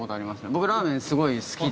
僕、ラーメンすごい好きで。